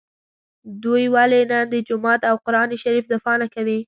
دوی ولي نن د جومات او قران شریف دفاع نکوي